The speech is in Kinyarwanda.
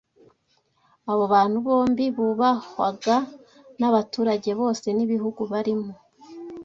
Abo bantu bombi, bubahwaga n’abaturage bose b’ibihugu barimo